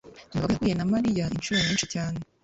ndabaga yahuye na mariya inshuro nyinshi cyane